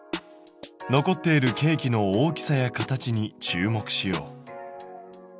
残っているケーキの大きさや形に注目しよう。